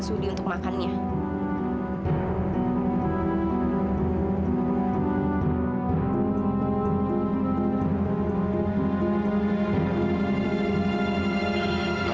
sudi untuk makannya